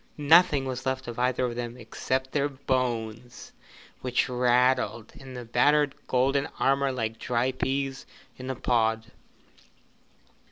Nothing was left of either of them except their bones, which rattled in the battered golden armour like dry peas in a pod.